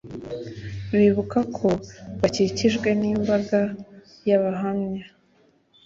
bibuka ko bakikijwe nimbaga yabahamya